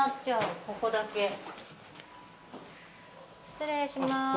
失礼します。